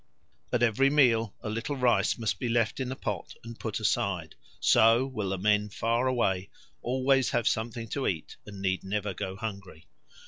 At every meal a little rice must be left in the pot and put aside; so will the men far away always have something to eat and need never go hungry.